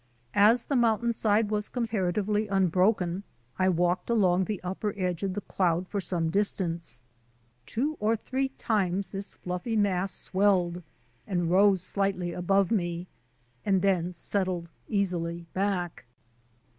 As the mountain side was comparatively unbroken I walked along the upper edge of the cloud for some distance. Two or three times this fluffy mass swelled and rose slightly above me and then settled easily back.